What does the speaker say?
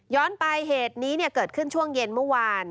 ไปเหตุนี้เกิดขึ้นช่วงเย็นเมื่อวาน